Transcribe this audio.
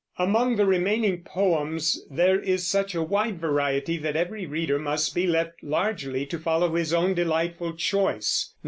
Among the remaining poems there is such a wide variety that every reader must be left largely to follow his own delightful choice.